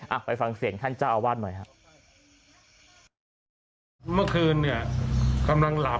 อ่ะไปฟังเสียงท่านจ้าวาทหน่อยฮะ